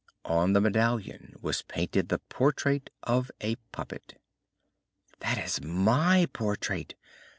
On the medallion was painted the portrait of a puppet. "That is my portrait!